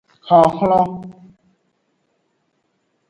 Honhlon.